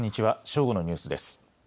正午のニュースです。